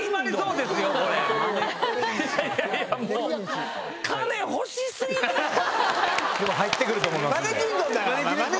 でも入って来ると思いますんで。